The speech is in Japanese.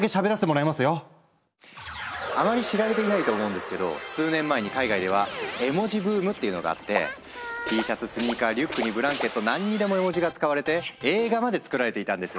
あまり知られていないと思うんですけど数年前に海外ではＴシャツスニーカーリュックにブランケット何にでも絵文字が使われて映画まで作られていたんです。